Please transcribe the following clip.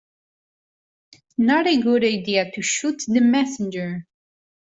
Not a good idea to shoot the messenger.